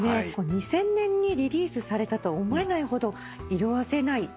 ２０００年にリリースされたと思えないほど色あせない名曲だなと感じますね。